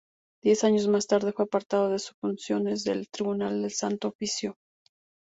Diez años más tarde fue apartado de sus funciones del Tribunal del Santo Oficio.